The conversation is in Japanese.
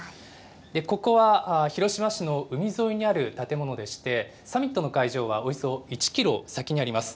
ここは広島市の海沿いにある建物でして、サミットの会場はおよそ１キロ先にあります。